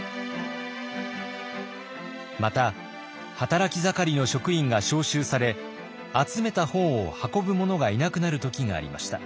また働き盛りの職員が召集され集めた本を運ぶ者がいなくなる時がありました。